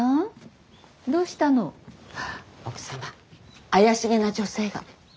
奥様怪しげな女性が。